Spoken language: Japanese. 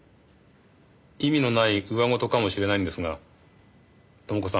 意味のないうわごとかもしれないんですが朋子さん